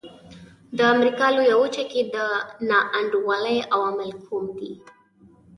د امریکا لویه وچه کې د نا انډولۍ عوامل کوم دي.